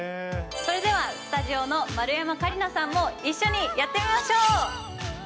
それではスタジオの丸山桂里奈さんも一緒にやってみましょう。